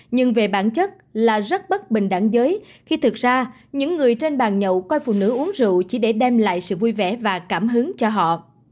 nhưng về bản chất là rất bất bình đẳng giới khi thực ra những người trên bàn nhậu coi phụ nữ uống rượu chỉ để đem lại sự vui vẻ và cảm hứng cho họ